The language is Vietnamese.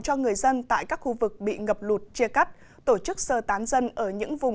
cho người dân tại các khu vực bị ngập lụt chia cắt tổ chức sơ tán dân ở những vùng